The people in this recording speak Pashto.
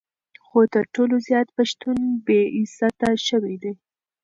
خو تر ټولو زیات پښتون بې عزته شوی دی.